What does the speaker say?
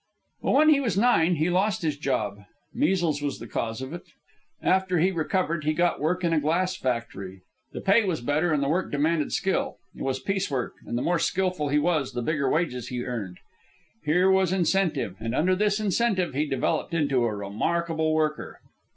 But when he was nine, he lost his job. Measles was the cause of it. After he recovered, he got work in a glass factory. The pay was better, and the work demanded skill. It was piecework, and the more skilful he was, the bigger wages he earned. Here was incentive. And under this incentive he developed into a remarkable worker.